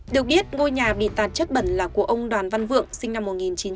được biết ngôi nhà bị tạt chất bẩn là của ông đoàn văn vượng sinh năm một nghìn chín trăm tám mươi